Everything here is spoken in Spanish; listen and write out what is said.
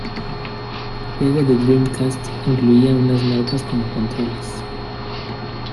El juego de Dreamcast incluía unas maracas como controles.